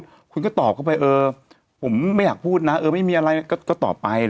คุณก็ตอบเข้าไปเออผมไม่อยากพูดนะเออไม่มีอะไรก็ตอบไป